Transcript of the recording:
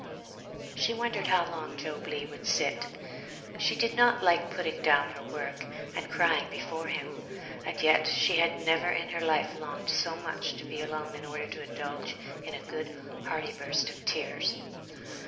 She wondered how long Job Legh would sit. She did not like putting down her work, and crying before him, and yet she had never in her life longed so much to be alone in order to indulge in a good hearty burst of tears.